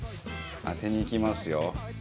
当てにいきますよ。